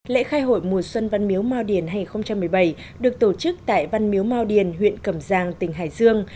lễ khai hội mùa xuân văn miếu mao điền hai nghìn một mươi bảy được tổ chức tại văn miếu mao điền huyện cầm giang tỉnh hải dương